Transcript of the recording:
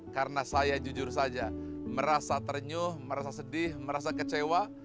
karena saya jujur saja merasa ternyuh merasa sedih merasa kecewa